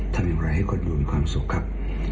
ทำอย่างไรให้คนอยู่มีความสุขครับ